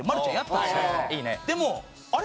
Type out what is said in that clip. でもあれ？